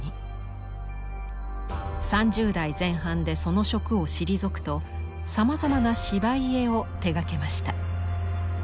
３０代前半でその職を退くとさまざまな芝居絵を手がけました。